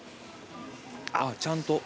あぁちゃんと。